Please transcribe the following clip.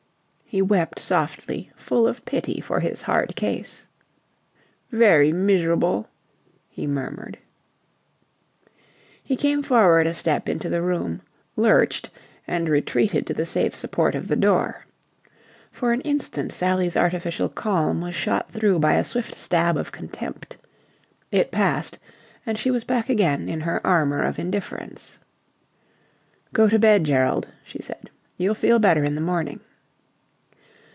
He wept softly, full of pity for his hard case. "Very miserable," he murmured. He came forward a step into the room, lurched, and retreated to the safe support of the door. For an instant Sally's artificial calm was shot through by a swift stab of contempt. It passed, and she was back again in her armour of indifference. "Go to bed, Gerald," she said. "You'll feel better in the morning."